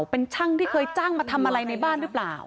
เป็นช่างที่เคยจ้างมาทำอะไรในบ้านหรือเปล่า